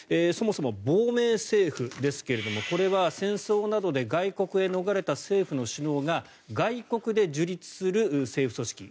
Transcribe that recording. そもそも亡命政府ですがこれは戦争などで外国へ逃れた政府の首脳が外国で樹立する政府組織。